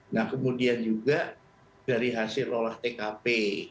nah kemudian juga dari hasil olah tkp